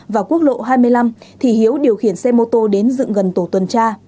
vào quốc lộ hai mươi năm hiếu điều khiển xe mô tô đến dựng gần tổ tuần tra